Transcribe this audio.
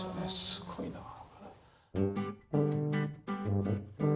すごいなあ。